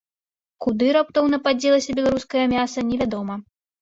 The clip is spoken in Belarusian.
Куды раптоўна падзелася беларускае мяса, невядома.